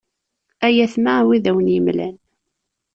Ay atma a wi i d awen-yemlan.